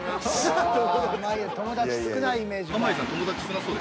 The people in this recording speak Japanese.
友達少ないイメージか。